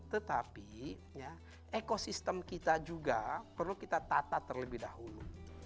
tetapi ekosistem kita juga perlu kita tata terlebih dahulu